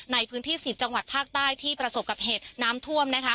ในพื้นที่๑๐จังหวัดภาคใต้ที่ประสบกับเหตุน้ำท่วม